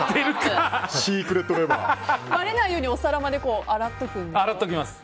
ばれないようにお皿まで洗っておきます。